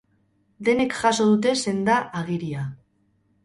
Denek jaso dute senda-agiria.